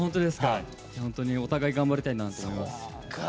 本当にお互い頑張りたいなと思います。